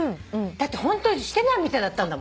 だってホントにしてないみたいだったんだもん。